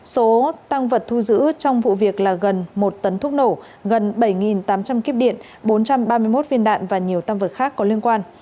số tăng vật thu giữ trong vụ việc là gần một tấn thuốc nổ gần bảy tám trăm linh kiếp điện bốn trăm ba mươi một viên đạn và nhiều tăng vật khác có liên quan